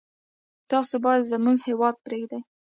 تاسي باید زموږ هیواد پرېږدی.